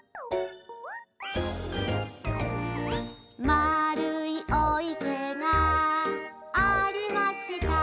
「まるいお池がありました」